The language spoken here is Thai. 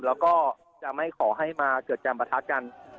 แล้วก็จะไม่ขอให้มาเกิดการประทะกัน